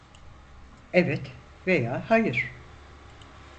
Evet veya hayır.